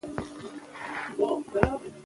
شعر د زړه غږ دی.